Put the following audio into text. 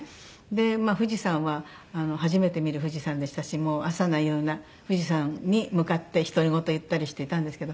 富士山は初めて見る富士山でしたしもう朝な夕な富士山に向かって独り言言ったりしていたんですけど。